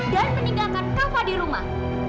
dan meninggalkan kava di rumah